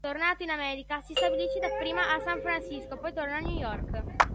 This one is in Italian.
Tornata in America, si stabilisce dapprima a San Francisco, poi torna a New York.